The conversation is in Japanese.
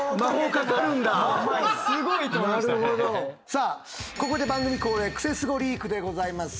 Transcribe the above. さあここで番組恒例クセスゴリークでございます。